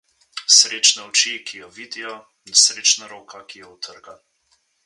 Srečne oči, ki jo vidijo, nesrečna roka, ki jo utrga.